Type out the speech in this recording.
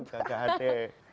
untuk kakak ade